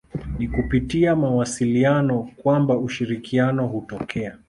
Ni kupitia mawasiliano kwamba ushirikiano hutokea.